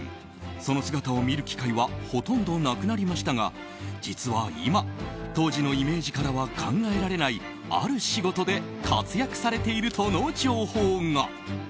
その姿を見る機会はほとんどなくなりましたが実は今、当時のイメージからは考えられないある仕事で活躍されているとの情報が。